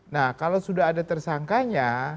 nah kalau sudah ada tersangkanya